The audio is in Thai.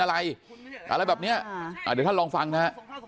อะไรอะไรแบบเนี้ยอ่าเดี๋ยวท่านลองฟังนะฮะ